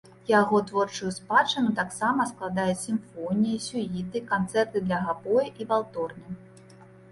Яго творчую спадчыну таксама складаюць сімфоніі, сюіты, канцэрты для габоя і валторны.